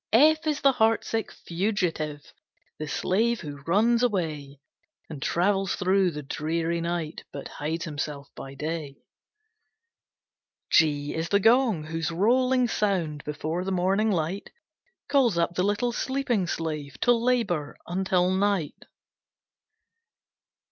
F F is the heart sick Fugitive, The slave who runs away, And travels through the dreary night, But hides himself by day. G G is the Gong, whose rolling sound, Before the morning light, Calls up the little sleeping slave, To labor until night.